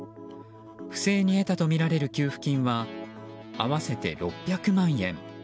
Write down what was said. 不正に得たとみられる給付金は合わせて６００万円。